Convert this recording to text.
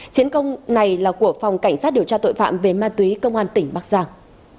chiến công này là của phòng cảnh sát điều tra tội phạm về ma túy công an tỉnh bắc giang